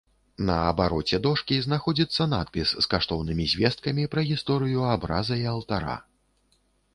На абароце дошкі знаходзіцца надпіс з каштоўнымі звесткамі пра гісторыю абраза і алтара.